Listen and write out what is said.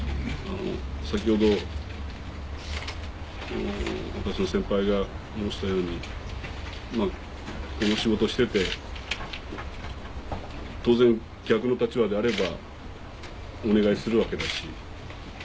先ほど私の先輩が申したようにこの仕事をしてて当然逆の立場であればお願いするわけだし。